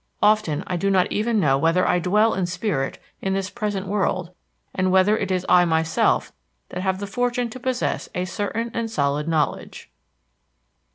Often I do not even know whether I dwell in spirit in this present world and whether it is I myself that have the fortune to possess a certain and solid knowledge."